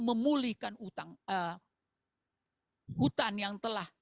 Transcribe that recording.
memulihkan hutan yang telah